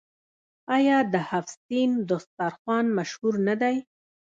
آیا د هفت سین دسترخان مشهور نه دی؟